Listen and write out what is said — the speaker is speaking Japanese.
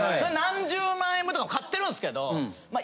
何十万円分とか買ってるんすけどまあ